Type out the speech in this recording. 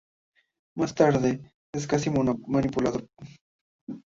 Más tarde, es casi manipulado por sirenas.